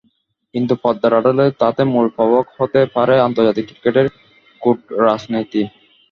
কিন্তু পর্দার আড়ালে তাতে মূল প্রভাবক হতে পারে আন্তর্জাতিক ক্রিকেটের কূটরাজনীতি।